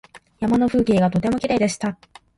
山の風景がとてもきれいでした。